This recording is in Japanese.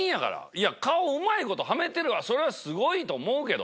いや顔をうまいことはめてるのはそれはすごいと思うけど。